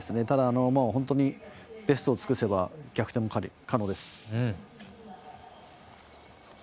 ただ、本当にベストを尽くせば逆転も可能です。